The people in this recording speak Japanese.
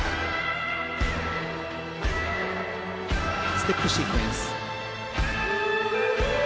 ステップシークエンス。